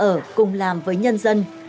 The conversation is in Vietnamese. ở cùng làm với nhân dân